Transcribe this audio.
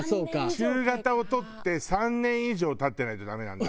中型を取って３年以上経ってないとダメなんだ。